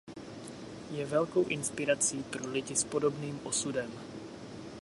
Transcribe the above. Je velkou inspirací pro lidi s podobným osudem.